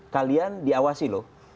kalian diawasi loh